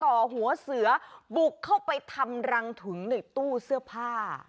ต่อหัวเสือบุกเข้าไปทำรังถุงในตู้เสื้อผ้า